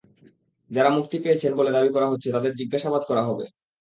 যাঁরা মুক্তি পেয়েছেন বলে দাবি করা হচ্ছে, তাঁদের জিজ্ঞাসাবাদ করা হবে।